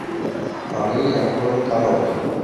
আমি এখন দানব।